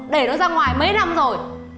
để nó ra ngoài mấy năm rồi